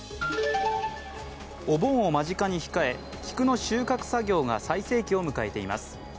お盆を間近に控え菊の収穫作業が最盛期を迎えています。